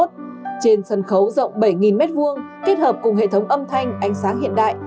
trên sân khấu rộng bảy m hai kết hợp cùng hệ thống âm thanh ánh sáng hiện đại